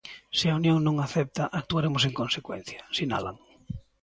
Se Unió non acepta, actuaremos en consecuencia, sinalan.